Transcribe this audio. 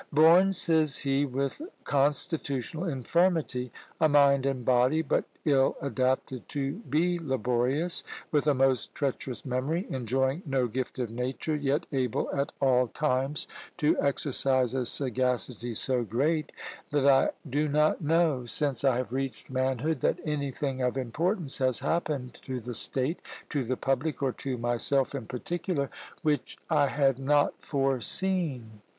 "Born," says he, "with constitutional infirmity, a mind and body but ill adapted to be laborious, with a most treacherous memory, enjoying no gift of nature, yet able at all times to exercise a sagacity so great that I do not know, since I have reached manhood, that anything of importance has happened to the state, to the public, or to myself in particular, which I had not foreseen."